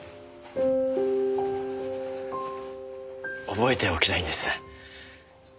覚えておきたいんです。